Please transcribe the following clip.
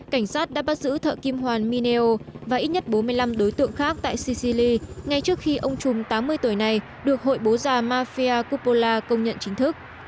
cảnh sát đã bắt giữ thợ kim hoàn mineo và ít nhất bốn mươi năm đối tượng khác tại sicily ngay trước khi ông chùm tám mươi tuổi này được hội bố già mafia cupola công nhận chính thức